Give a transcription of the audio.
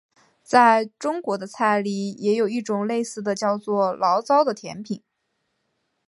在中国菜里也有一种类似的叫做醪糟的甜品。